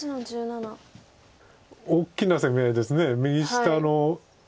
大きな攻め合いです右下の。